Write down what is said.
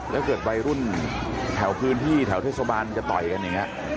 แล้วเกิดวัยรุ่นแถวพื้นที่แถวเทศบาลมันจะต่อยกันอย่างนี้